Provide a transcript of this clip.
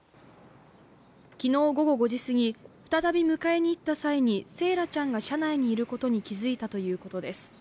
昨日午後５時すぎ、再び迎えに行った際に惺愛ちゃんが車内にいることに気付いたということです。